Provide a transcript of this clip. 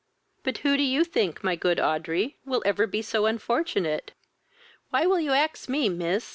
"But who do you think, my good Audrey, will ever be so unfortunate?" "Why will you ax me miss?